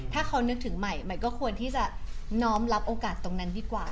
ถ้าเขานึกถึงใหม่ใหม่ก็ควรที่จะน้อมรับโอกาสตรงนั้นดีกว่า